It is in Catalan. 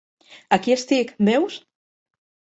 Aquí estic, veus!